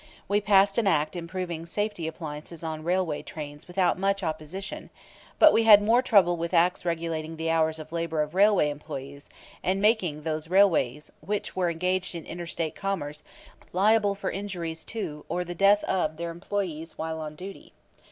We passed an act improving safety appliances on railway trains without much opposition, but we had more trouble with acts regulating the hours of labor of railway employees and making those railways which were engaged in inter State commerce liable for injuries to or the death of their employees while on duty.